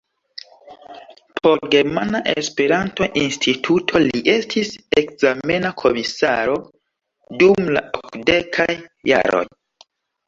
Por Germana Esperanto-Instituto li estis ekzamena komisaro dum la okdekaj jaroj.